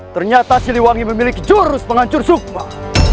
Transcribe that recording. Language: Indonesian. ternyata siliwangi memiliki jurus menghancur sukmah